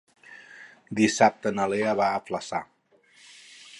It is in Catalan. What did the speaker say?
Dissabte na Lea va a Flaçà.